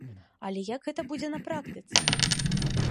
Але як гэта будзе на практыцы?